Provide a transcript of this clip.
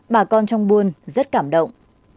bà con trong buôn rất cảm động